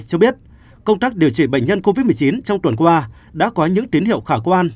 cho biết công tác điều trị bệnh nhân covid một mươi chín trong tuần qua đã có những tín hiệu khả quan